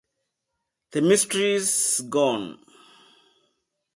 The mystery's gone.